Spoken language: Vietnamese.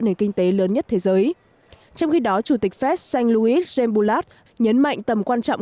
nền kinh tế lớn nhất thế giới trong khi đó chủ tịch fed jean louis jamboulat nhấn mạnh tầm quan trọng